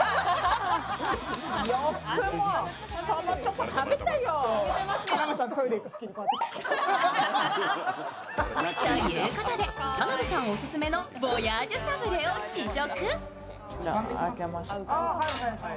ということで田辺さんおすすめのヴォヤージュサブレを試食。